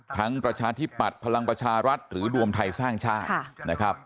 ประชาธิปัตย์พลังประชารัฐหรือรวมไทยสร้างชาตินะครับ